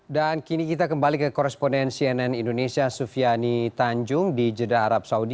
dan kini kita kembali ke koresponden cnn indonesia sufiani tanjung di jeddah arab saudi